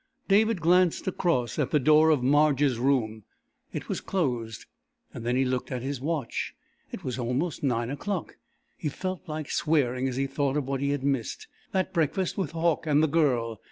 David glanced across at the door of Marge's room. It was closed. Then he looked at his watch. It was almost nine o'clock! He felt like swearing as he thought of what he had missed that breakfast with Hauck and the Girl.